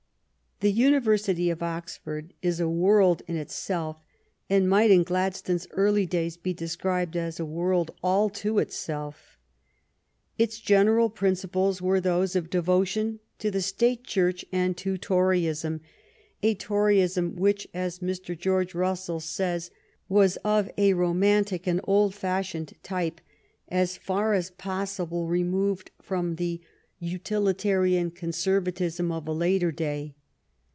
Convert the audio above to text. The University of Oxford is a world in itself, and might in Gladstone s early days be described as a world all to itself. Its general principles were those of devotion to the State Church and to Toryism — a Toryism which, as Mr. George Russell says, was of a romantic and old fashioned type, as far as possible removed from the utilita rian Conservatism of a later day.